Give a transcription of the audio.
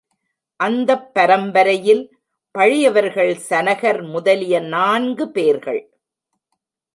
அந்தப் பரம்பரையில் பழையவர்கள் சனகர் முதலிய நான்கு பேர்கள்.